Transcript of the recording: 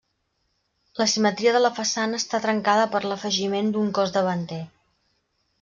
La simetria de la façana està trencada per l'afegiment d'un cos davanter.